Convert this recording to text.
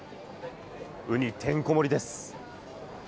ウニてんこ盛りです！